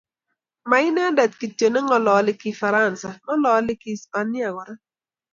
ma inendet kityo ne ngalali kifaransa ngalali kihispania kora